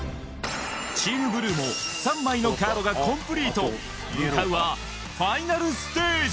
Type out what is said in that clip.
ＴｅａｍＢｌｕｅも３枚のカードがコンプリート向かうはファイナルステージ